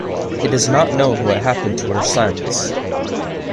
It is not known what happened to her sons.